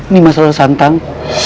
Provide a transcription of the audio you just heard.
nimas rora santang